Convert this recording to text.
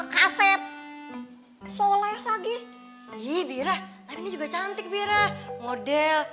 kaset soleh lagi ibirah tapi juga cantik bira model